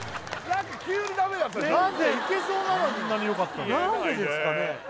何でいけそうなのにあんなによかったのに何でですかね？